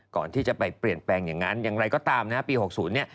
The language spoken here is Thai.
ก่อนที่จะไปเปลี่ยนแปลงอย่างนั้นอย่างไรก็ตามนะปี๖๐เนี่ย